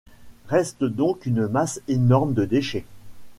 Reste donc une masse énorme de déchets.